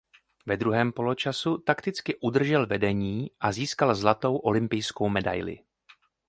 Ve druhém poločasu takticky udržel vedení a získal zlatou olympijskou medaili.